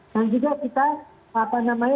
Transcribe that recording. dan juga kita apa namanya